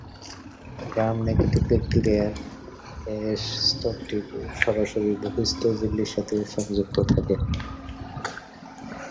Gram-negative ব্যাকটেরিয়ার এস-স্তরটি সরাসরি বহিঃস্থ ঝিল্লির সাথে সংযুক্ত থাকে।